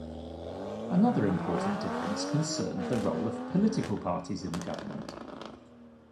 Another important difference concerned the role of political parties in the government.